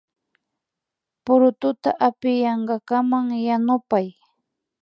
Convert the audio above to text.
Purututa apiyankakaman yanupay